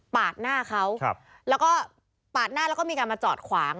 หน้าเขาแล้วก็ปาดหน้าแล้วก็มีการมาจอดขวาง